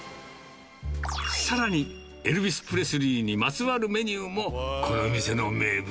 さらに、エルヴィス・プレスリーにまつわるメニューも、この店の名物。